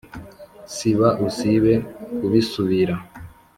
siba usibe kubisubira